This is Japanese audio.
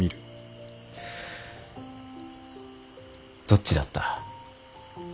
どっちだった。